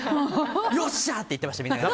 よっしゃって言っていました、みんな。